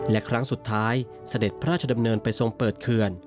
และครั้งสุดท้ายเสด็จพระราชดำเนินไปทรงเปิดเขื่อน